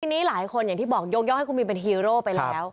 ทีนี้หลายคนอย่างที่บอกยกย่องให้คุณมินเป็นฮีโร่ไปแล้ว